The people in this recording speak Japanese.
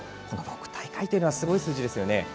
この６大会というのはすごい数字ですよね。